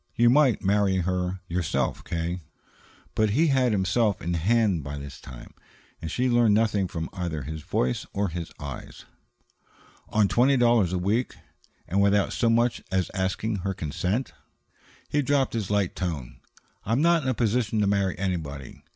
"You might marry her yourself, K." But he had himself in hand by this time, and she learned nothing from either his voice or his eyes. "On twenty dollars a week? And without so much as asking her consent?" He dropped his light tone. "I'm not in a position to marry anybody.